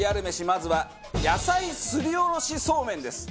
まずは野菜すりおろしそうめんです。